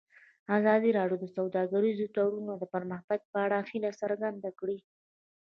ازادي راډیو د سوداګریز تړونونه د پرمختګ په اړه هیله څرګنده کړې.